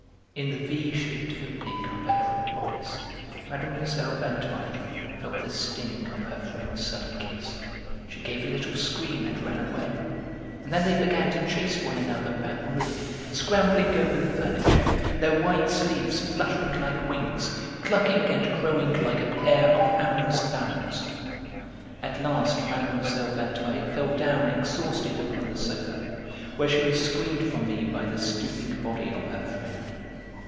In the V shaped opening of her crape bodice Mlle. Vinteuil felt the sting of her friend's sudden kiss; she gave a little scream and ran away; and then they began to chase one another about the room, scrambling over the furniture, their wide sleeves fluttering like wings, clucking and crowing like a pair of amorous fowls. At last Mlle. Vinteuil fell down exhausted upon the sofa, where she was screened from me by the stooping body of her friend.